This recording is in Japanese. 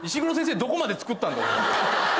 どこまでつくったんだよ。